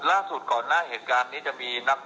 ล่าสุดก่อนหน้าเหตุการณ์นี้จะมีนับ